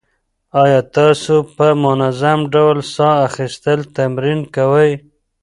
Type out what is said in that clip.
ایا تاسو په منظم ډول ساه اخیستل تمرین کوئ؟